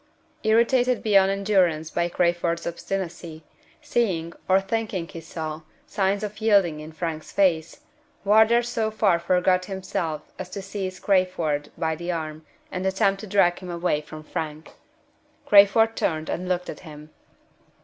Irritated beyond endurance by Crayford's obstinacy; seeing, or thinking he saw, signs of yielding in Frank's face, Wardour so far forgot himself as to seize Crayford by the arm and attempt to drag him away from Frank. Crayford turned and looked at him.